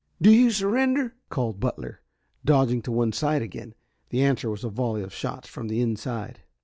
"Do you surrender?" called Butler, dodging to one side again. The answer was a volley of shots from the inside.